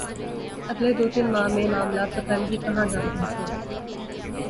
اگلے دو تین ماہ میں معاملات پتہ نہیں کہاں جا پہنچیں۔